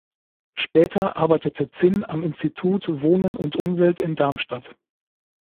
Später arbeitete Zinn am Institut Wohnen und Umwelt in Darmstadt.